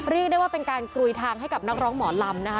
เรียกได้ว่าเป็นการกลุยทางให้กับนักร้องหมอลำนะคะ